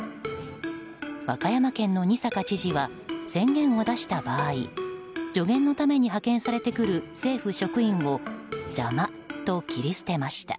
和歌山県の仁坂知事は宣言を出した場合助言のために派遣されてくる政府職員を邪魔と切り捨てました。